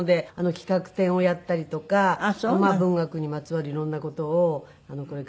企画展をやったりとか文学にまつわる色んな事をこれからもずっと。